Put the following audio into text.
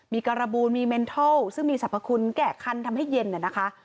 มีการบูลมีเมนทัลซึ่งมีสรรพคุณแก่คันทำให้เย็นน่ะนะคะ